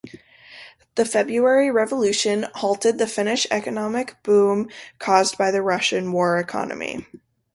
The February Revolution halted the Finnish economic boom caused by the Russian war-economy.